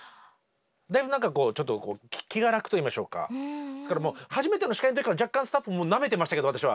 だいぶ何かこう気が楽といいましょうか初めての司会の時から若干スタッフなめてましたけど私は。